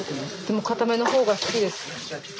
かための方が好きです。